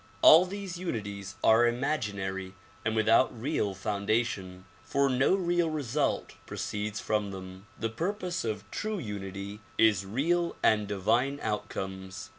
All these unities are imaginary and without real foundation, for no real result proceeds from them. The purpose of true unity is real and divine outcomes.